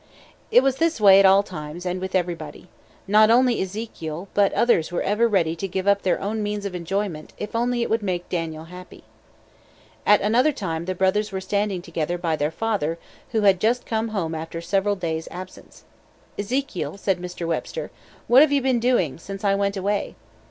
It was this way at all times, and with everybody. Not only Ezekiel, but others were ever ready to give up their own means of enjoyment if only it would make Daniel happy. At another time the brothers were standing together by their father, who had just come home after several days' absence. "Ezekiel," said Mr. Webster, "what have you been doing since I went away?"